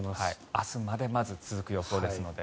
明日までまず続く予想ですので。